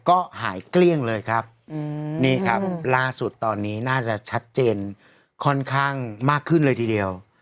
ก็หายเกลี้ยงเลยครับนี่ครับล่าสุดตอนนี้น่าจะชัดเจนค่อนข้างมากขึ้นเลยทีเดียว